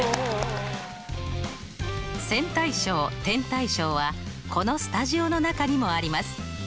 線対称点対称はこのスタジオの中にもあります。